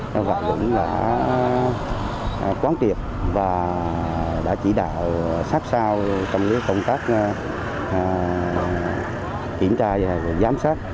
nó cũng đã quán triệt và đã chỉ đạo sát sao trong các kiểm tra và giám sát